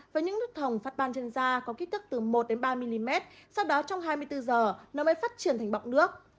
và những nước thồng phát ban trên da có kích thức từ một ba mm sau đó trong hai mươi bốn h nó mới phát triển thành bọc nước